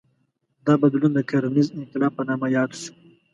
دا بدلون د کرنیز انقلاب په نامه یاد شو.